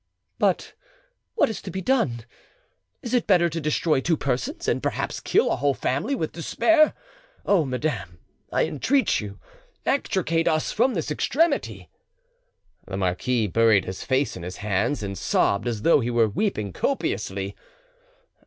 "But what is to be done? Is it better to destroy two persons and perhaps kill a whole family with despair? Oh, madame, I entreat you, extricate us from this extremity!" The marquis buried his face in his hands, and sobbed as though he were weeping copiously.